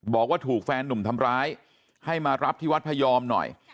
บอกว่าถูกแฟนหนุ่มทำร้ายให้มารับที่วัดพยอมหน่อย